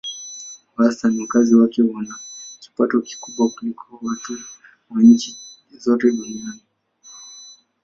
Kwa wastani wakazi wake wana kipato kikubwa kuliko watu wa nchi zote duniani.